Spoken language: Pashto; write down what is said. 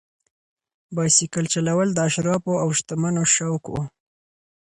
بایسکل چلول د اشرافو او شتمنو شوق و.